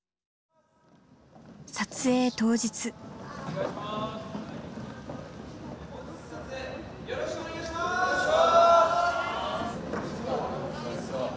撮影よろしくお願いします。